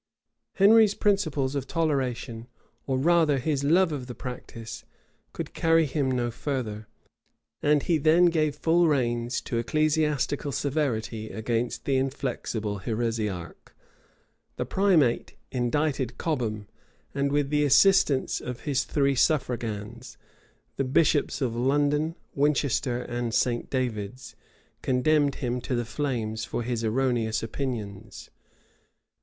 Henry's principles of toleration, or rather his love of the practice, could carry him no farther; and he then gave full reins to ecclesiastical severity against the inflexible heresiarch. The primate indicted Cobham, and with the assistance of his three suffragans, the bishops of London, Winchester, and St. David's, condemned him to the flames for his erroneous opinions.